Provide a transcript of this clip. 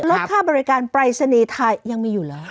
ลดค่าบริการปรายศนีย์ไทยยังมีอยู่เหรอ